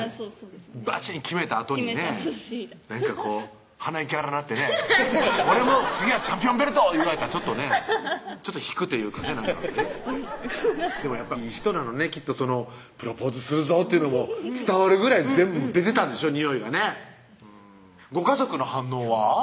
バチーン決めたあとにね決めたあとだしなんかこう鼻息荒なってね「俺も次はチャンピオンベルト」言われたらちょっとね引くというかねなんかでもいい人なのねきっとプロポーズするぞというのも伝わるぐらい全部出てたんでしょにおいがねご家族の反応は？